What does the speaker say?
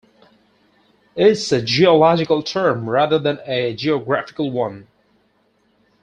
It's a geological term rather than a geographical one.